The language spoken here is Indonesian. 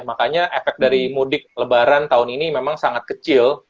makanya efek dari mudik lebaran tahun ini memang sangat kecil